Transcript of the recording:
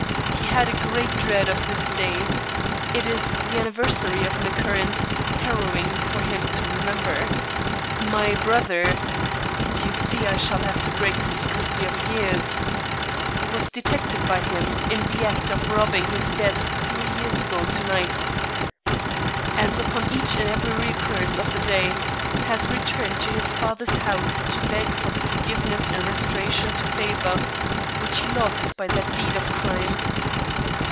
He had a great dread of this day. It is the anniversary of an occurrence harrowing for him to remember. My brother you see I shall have to break the secrecy of years was detected by him in the act of robbing his desk three years ago to night, and upon each and every recurrence of the day, has returned to his father's house to beg for the forgiveness and restoration to favor which he lost by that deed of crime.